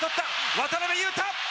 渡邊雄太。